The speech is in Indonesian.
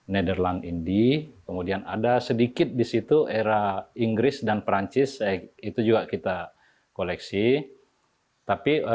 netherland indy kemudian ada sedikit disitu era inggris dan perancis itu juga kita koleksi tapi